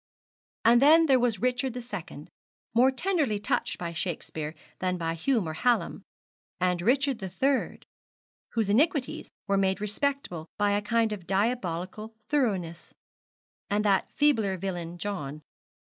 And then there was Richard the Second, more tenderly touched by Shakespeare than by Hume or Hallam; and Richard the Third, whose iniquities were made respectable by a kind of diabolical thoroughness; and that feebler villain John.